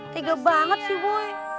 tiga banget sih bu